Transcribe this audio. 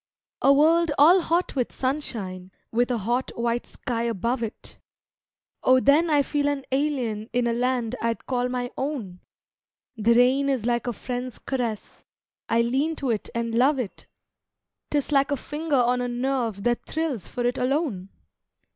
A world all hot with sunshine, with a hot, white sky above it Oh then I feel an alien in a land I'd call my own; The rain is like a friend's caress, I lean to it and love it, 'Tis like a finger on a nerve that thrills for it alone!